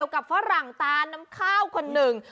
กับฝรั่งตาน้ำข้าวคนหนึ่ง